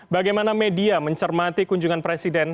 bagaimana media mencermati kunjungan presiden